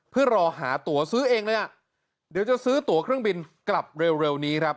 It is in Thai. เพื่อรอหาตัวซื้อเองเลยอ่ะเดี๋ยวจะซื้อตัวเครื่องบินกลับเร็วนี้ครับ